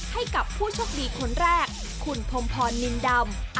ให้กับผู้โชคดีคนแรกคุณธมพรนินดำ